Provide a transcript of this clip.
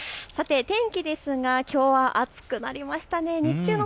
さて天気ですがきょうは暑くなりましたね。